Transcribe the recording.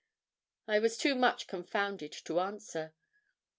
I was too much confounded to answer.